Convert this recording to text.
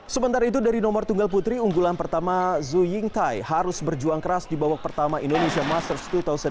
sementara itu dari nomor tunggal putri unggulan pertama zoo ying tai harus berjuang keras di babak pertama indonesia masters dua ribu dua puluh